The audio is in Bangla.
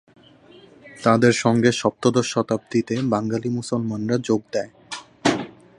তাদের সঙ্গে সপ্তদশ শতাব্দীতে বাঙালি মুসলমানরা যোগ দেয়।